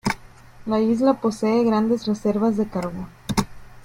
La isla posee grandes reservas de carbón.